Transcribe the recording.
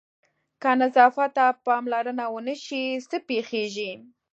که نظافت ته پاملرنه ونه شي څه پېښېږي؟